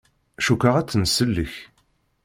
Cukkeɣ ad tt-nsellek.